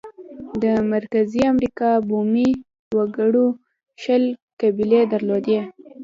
د مرکزي امریکا بومي وګړو شل قبیلې درلودې.